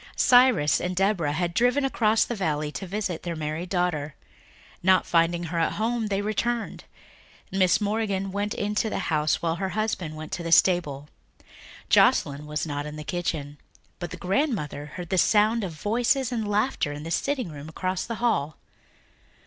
Cyrus and Deborah had driven across the valley to visit their married daughter. Not finding her at home they returned. Mrs. Morgan went into the house while her husband went to the stable. Joscelyn was not in the kitchen, but the grandmother heard the sound of voices and laughter in the sitting room across the hall.